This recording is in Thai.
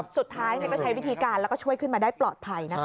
สุดท้ายก็ใช้วิธีการแล้วก็ช่วยขึ้นมาได้ปลอดภัยนะคะ